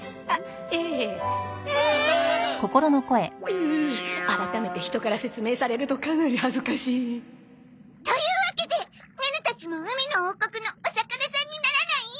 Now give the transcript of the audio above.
うう改めて人から説明されるとかなり恥ずかしいというわけでネネたちも海の王国のお魚さんにならない？